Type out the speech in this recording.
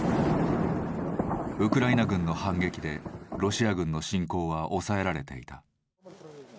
ウクライナ軍の反撃でロシア軍の侵攻は抑えられていた。